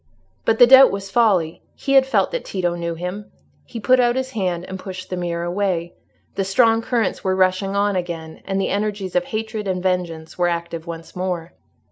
But the doubt was folly: he had felt that Tito knew him. He put out his hand and pushed the mirror away. The strong currents were rushing on again, and the energies of hatred and vengeance were active once more.